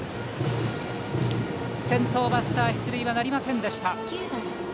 先頭バッター出塁はなりませんでした。